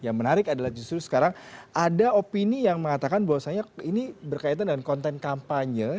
yang menarik adalah justru sekarang ada opini yang mengatakan bahwasannya ini berkaitan dengan konten kampanye